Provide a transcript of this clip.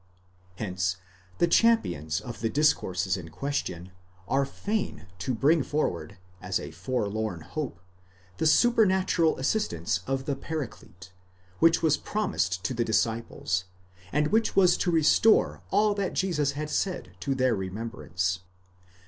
* Hence the champions of the discourses in question are fain to bring forward, as a forlorn hope, the supernatural assistance of the Paraclete, which was promised to the disciples, and which was to restore all that Jesus had said to their remembrance.